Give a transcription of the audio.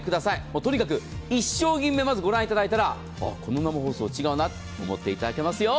とにかく１商品目、まずご覧いただいたらこの生放送違うなと思っていただけますよ。